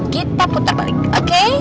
kita putar balik oke